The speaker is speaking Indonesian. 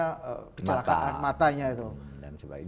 kecelakaan matanya itu